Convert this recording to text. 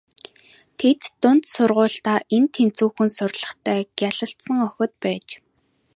Тэд дунд сургуульдаа эн тэнцүүхэн сурлагатай гялалзсан охид байж.